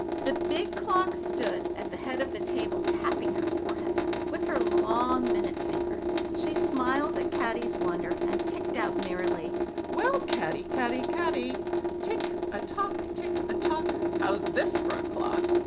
The big clock stood at the head of the table, tapping her forehead with her long minute finger. She smiled at Caddy's wonder, and ticked out, merrily, "Well, Caddy, Caddy, Caddy, Tick a tock tick tock! How's this for a clock?